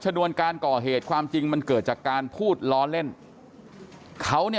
วนการก่อเหตุความจริงมันเกิดจากการพูดล้อเล่นเขาเนี่ย